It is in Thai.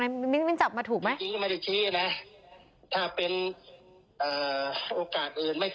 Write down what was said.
มิลิมิลิกซ์จับมาถูกไหม